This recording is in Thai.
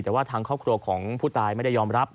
แต่ว่าทางครอบครัวของผู้ตายไม่ได้ยอมรับ